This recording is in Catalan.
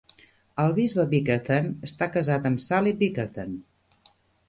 El bisbe Bickerton està casat amb Sally Bickerton.